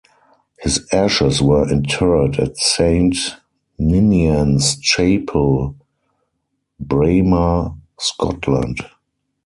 His ashes were interred at Saint Ninian's Chapel, Braemar, Scotland.